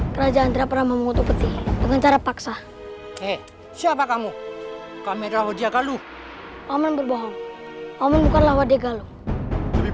kita paksa eh siapa kamu kamera ujian kaluh paman berbohong om bukanlah wadikalu lebih